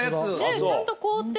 ちゃんと凍ってて。